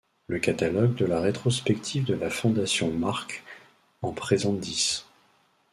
Le catalogue de la rétrospective de la Fondation Marght en présente dix.